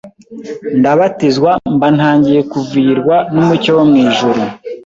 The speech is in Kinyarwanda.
ndabatizwa mba ntangiye kuvirwa n’umucyo wo mu ijuru